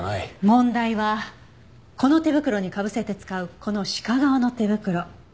問題はこの手袋にかぶせて使うこの鹿革の手袋。